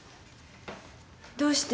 どうして？